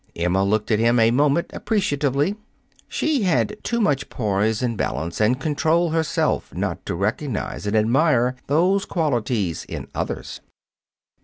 Emma looked at him a moment appreciatively. She had too much poise and balance and control herself not to recognize and admire those qualities in others.